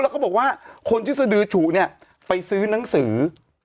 แล้วก็บอกว่าคนที่สดือฉุเนี่ยไปซื้อหนังสือ